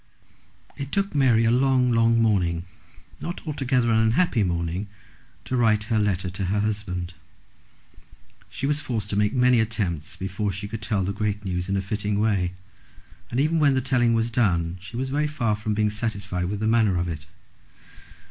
It took Mary a long long morning, not altogether an unhappy morning, to write her letter to her husband. She was forced to make many attempts before she could tell the great news in a fitting way, and even when the telling was done she was very far from being satisfied with the manner of it.